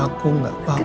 aku tidak apa apa